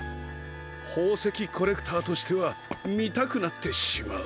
ほうせきコレクターとしてはみたくなってしまう。